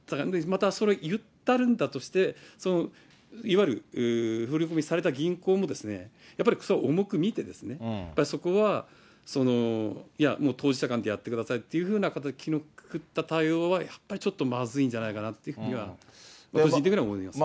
また、それいったんだとして、いわゆる振り込みされた銀行もやっぱりそれを重く見てですね、やっぱりそこは、いや、もう当事者間でやってくださいっていうのは、木のくくった対応は、やっぱりまずいんじゃないかなっていうふうに、個人的には思いま